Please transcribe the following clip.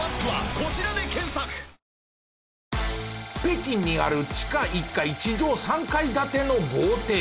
北京にある地下１階地上３階建ての豪邸。